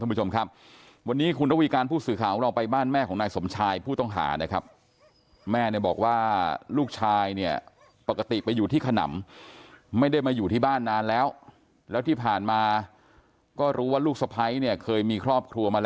ท่านผู้ชมครับวันนี้คุณละวีการผู้สื่อขาของเราไปบ้านแม่ของนายสมชายผู้ต้องหานะครับ